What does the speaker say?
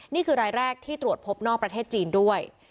นี่คือรายแรกที่ตรวจพบนอกประเทศจีนด้วย